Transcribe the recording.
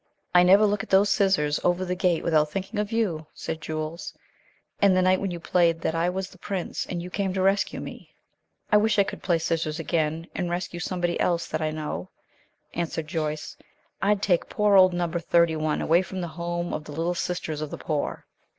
"I never look at those scissors over the gate without thinking of you," said Jules, "and the night when you played that I was the Prince, and you came to rescue me." "I wish I could play scissors again, and rescue somebody else that I know," answered Joyce. "I'd take poor old Number Thirty one away from the home of the Little Sisters of the Poor."